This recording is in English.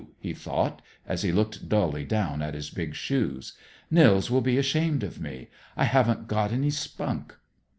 he thought, as he looked dully down at his big shoes. "Nils will be ashamed of me; I haven't got any spunk."